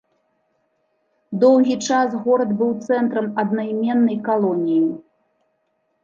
Доўгі час горад быў цэнтрам аднайменнай калоніі.